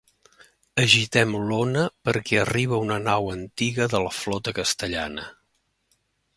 Agitem l'ona perquè arriba una nau antiga de la flota castellana.